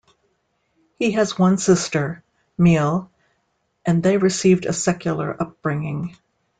He has one sister, Miel, and they received a secular upbringing.